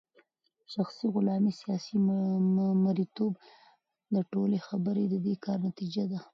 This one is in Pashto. شخصي غلامې ، سياسي مريتوب داټولي خبري ددي كار نتيجه ده